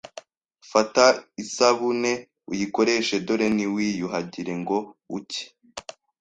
Fata isabuneuyikoreshe dore Ntiwiyuhagira ngo uke.